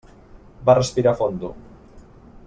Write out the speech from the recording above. Va respirar fondo.